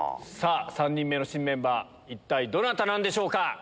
３人目の新メンバー一体どなたなんでしょうか？